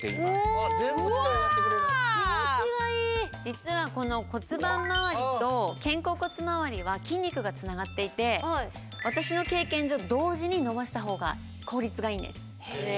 実はこの骨盤回りと肩甲骨回りは筋肉がつながっていて私の経験上同時に伸ばした方が効率がいいんです。